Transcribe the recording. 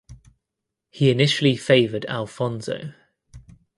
He initially favoured Alfonso.